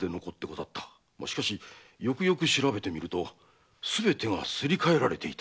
しかしよくよく調べてみるとすべてがすり替えられていた。